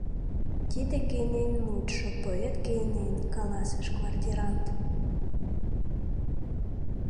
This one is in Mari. — Тиде Гейнен мутшо, поэт Гейнен, — каласыш квартирант.